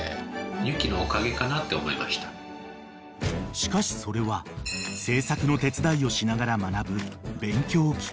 ［しかしそれは制作の手伝いをしながら学ぶ勉強期間］